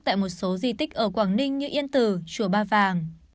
tại một số di tích ở quảng ninh như yên tử chùa ba vàng